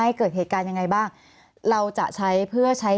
มีความรู้สึกว่ามีความรู้สึกว่ามีความรู้สึกว่า